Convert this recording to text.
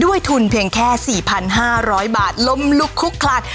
ด้วยทุนเพียงแค่สี่พันห้าร้อยบาทล้มลุกคุกขลาด